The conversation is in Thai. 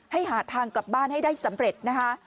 หาทางกลับบ้านให้ได้สำเร็จนะคะ